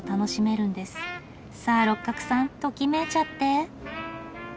さあ六角さんときめいちゃって！